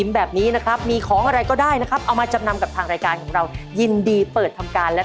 วันนี้ขอบคุณมากนะคะลองแจ็คครับ